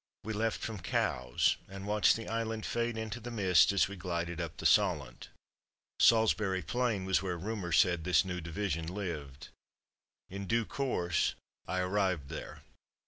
We left from Cowes and watched the island fade into the mist as we glided up the Solent. Salisbury Plain was where rumour said this new division lived. In due course I arrived there.